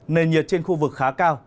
nền nhiệt trên khu vực khá cao